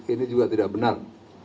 ini juga tidak benar